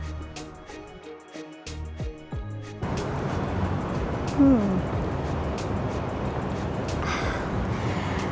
segelas teh hangat dan segera sembuh